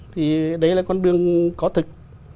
thì đấy là con đường có thực